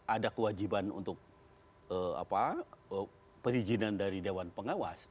ada kewajiban untuk perizinan dari dewan pengawas